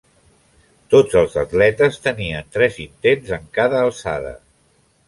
Tots els atletes tenien tres intents en cada alçada.